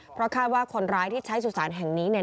เพราะคาดว่าคนร้ายที่ใช้สุสานแห่งนี้เนี่ย